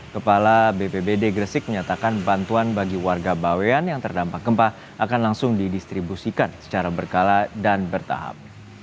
kepala bpbd gresik menyatakan bantuan bagi warga bawean yang terdampak gempa akan langsung didistribusikan secara berkala dan bertahap